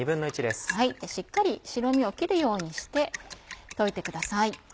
しっかり白身を切るようにして溶いてください。